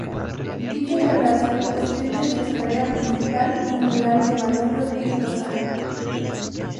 Dicho palacio ostenta en su escalera principal un mural de Manuel Rodríguez Lozano.